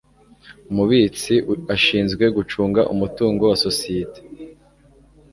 umubitsi ashinzwe gucunga umutungo wa sosiyeye